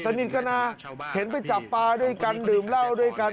สนิทกันนะเห็นไปจับปลาด้วยกันดื่มเหล้าด้วยกัน